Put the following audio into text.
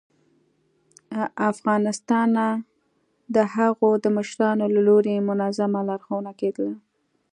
ه افغانستانه د هغو د مشرانو له لوري منظمه لارښوونه کېدله